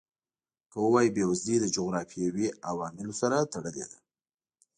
که ووایو بېوزلي له جغرافیوي عواملو سره تړلې ده.